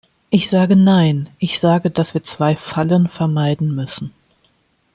Ich sage Nein, ich sage, dass wir zwei Fallen vermeiden müssen.